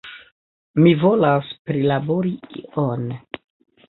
Mi volas prilabori ion!